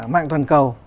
mạng toàn cầu